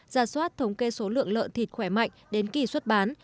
ra soát thống kê số lượng lợn thịt khỏe mạnh đến kỳ xuất bán